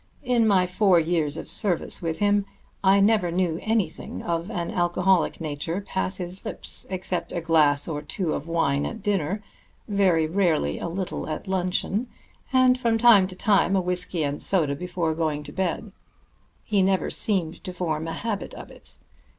In my four years of service with him I never knew anything of an alcoholic nature pass his lips except a glass or two of wine at dinner, very rarely a little at luncheon, and from time to time a whisky and soda before going to bed. He never seemed to form a habit of it.